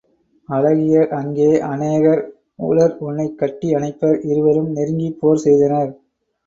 அழகியர் அங்கே அநேகர் உளர் உன்னைக் கட்டி அணைப்பர்! இருவரும் நெருங்கிப் போர் செய்தனர்.